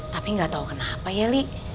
tapi gak tau kenapa ya li